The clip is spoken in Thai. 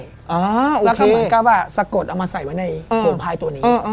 แล้วก็เหมือนกับว่าสะกดเอามาใส่ไว้ในโรงพายตัวนี้